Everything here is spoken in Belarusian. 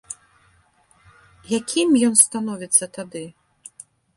Якім ён становіцца тады?